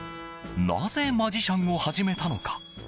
なぜ、マジシャンを始めたのか